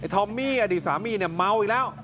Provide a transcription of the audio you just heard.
ทอมมี่อดีตสามีเมาส์อีกแล้ว